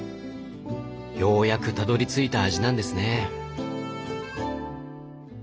ようやくたどりついた味なんですね。